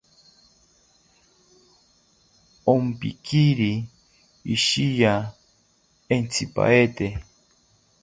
Ompiquiri ishiya entzipaete